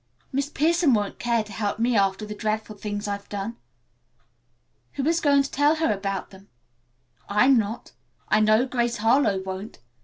"Miss Pierson won't care to help me after the dreadful things I've done." "Who is going to tell her about them? I'm not. I know Grace Harlowe won't.